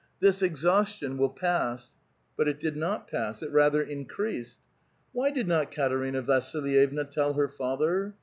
"This exhaustion will pass." But it did not pass; it rather increa3ed. Why did not Katerina Vasilyevna tell her father?